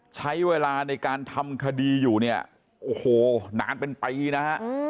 ใช้เวลาในการทำคดีอยู่เนี่ยโอ้โหนานเป็นปีนะฮะ